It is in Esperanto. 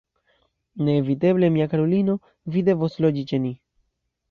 Neeviteble, mia karulino, vi devos loĝi ĉe ni.